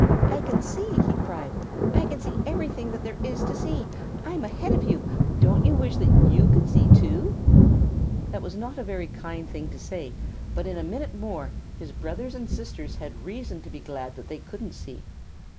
"I can see!" he cried. "I can see everything that there is to see! I'm ahead of you! Don't you wish that you could see, too?" That was not a very kind thing to say, but in a minute more his brothers and sisters had reason to be glad that they couldn't see.